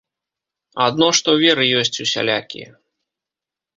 Адно што веры ёсць усялякія.